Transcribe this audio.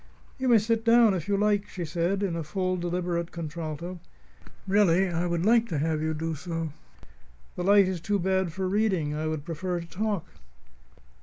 "You may sit down, if you like," she said, in a full, deliberate contralto. "Really, I would like to have you do so. The light is too bad for reading. I would prefer to talk."